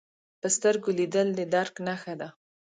په سترګو لیدل د درک نښه ده